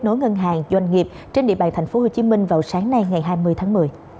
nối ngân hàng doanh nghiệp trên địa bàn tp hcm vào sáng nay ngày hai mươi tháng một mươi